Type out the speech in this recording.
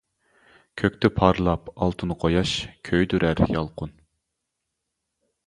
كۆكتە پارلاپ ئالتۇن قۇياش، كۆيدۈرەر يالقۇن.